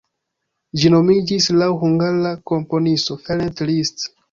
Ĝi nomiĝis laŭ Hungara komponisto, Ferenc Liszt.